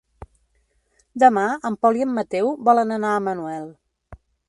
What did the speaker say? Demà en Pol i en Mateu volen anar a Manuel.